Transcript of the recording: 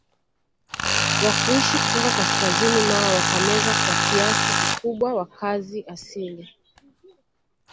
Wakushi kutoka kaskazini nao wakameza kwa kiasi kikubwa wakazi asili